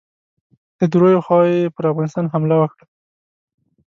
د دریو خواوو یې پر افغانستان حمله وکړه.